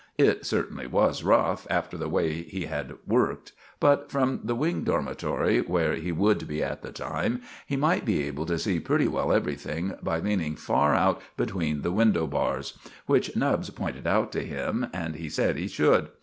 It certainly was rough, after the way he had worked; but from the Wing Dormitory, where he would be at the time, he might be able to see pretty well everything by leaning far out between the window bars. Which Nubbs pointed out to him, and he said he should.